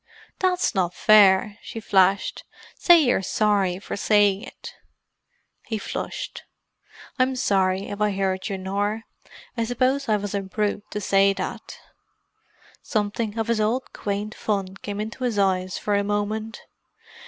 "That's not fair!" she flashed. "Say you're sorry for saying it!" He flushed. "I'm sorry if I hurt you, Nor. I suppose I was a brute to say that." Something of his old quaint fun came into his eyes for a moment.